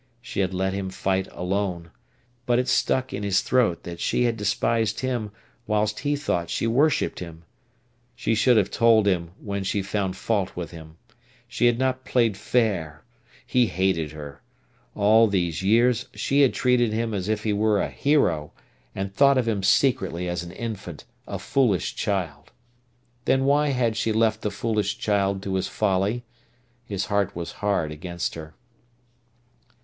She had let him fight alone. But it stuck in his throat that she had despised him whilst he thought she worshipped him. She should have told him when she found fault with him. She had not played fair. He hated her. All these years she had treated him as if he were a hero, and thought of him secretly as an infant, a foolish child. Then why had she left the foolish child to his folly? His heart was hard against her.